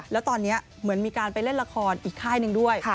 แล้วตอนนี้เหมือนมีการไปเล่นละครอีกค่ายหนึ่งด้วย